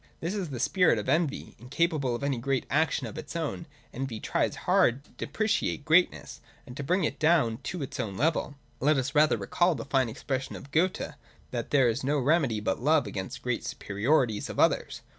This is the spirit of envy. Incapable of any great action of its own, envy tries 256 THE DOCTRINE OF ESSENCE. [140 hard to depreciate greatness and to bring it down to its own level. Let us, rather, recall the fine expression of Goethe, that there is no remedy but Love against great superiorities of others.